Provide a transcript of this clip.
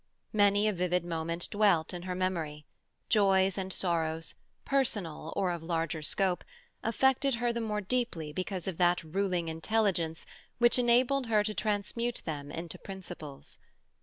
Many a vivid moment dwelt in her memory; joys and sorrows, personal or of larger scope, affected her the more deeply because of that ruling intelligence which enabled her to transmute them into principles.